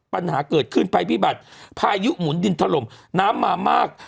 ปัญหาเกิดขึ้นภัยพิบัติพายุหมุนดินถล่มน้ำมามาก